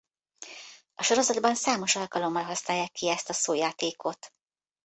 A sorozatban számos alkalommal használják ki ezt a szójátékot.